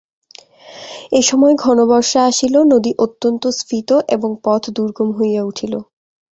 এই সময় ঘনবর্ষা আসিল, নদী অত্যন্ত স্ফীত এবং পথ দুর্গম হইয়া উঠিল।